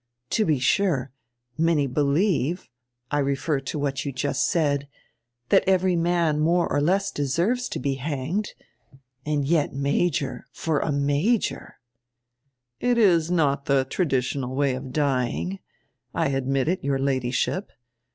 To be sure, many believe — I refer to what you just said — that every man more or less deserves to be hanged. And yet, Major — for a major —" "It is not the traditional way of dying. I admit it, your Ladyship.